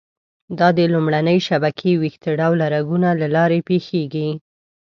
دا د لومړنۍ شبکې ویښته ډوله رګونو له لارې پېښېږي.